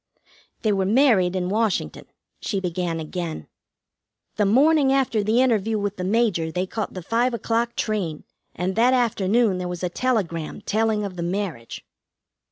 "They were married in Washington," she began again. "The morning after the interview with the Major they caught the five o'clock train, and that afternoon there was a telegram telling of the marriage.